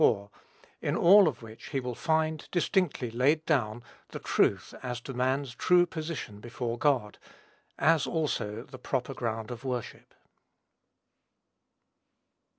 22 34, in all of which he will find distinctly laid down the truth as to man's true position before God, as also the proper ground of worship.